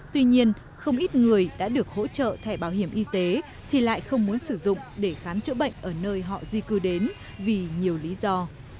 tuy nhiên không ít người đã được hỗ trợ thẻ bảo hiểm y tế thì lại không muốn sử dụng để khám chữa bệnh ở nơi họ di cư đến vì nhiều lý do